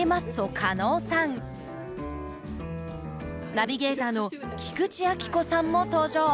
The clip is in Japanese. ナビゲーターの菊池亜希子さんも登場。